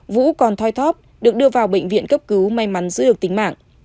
vũ còn thoi thóp được đưa vào bệnh viện cấp cứu may mắn giữ được tính mạng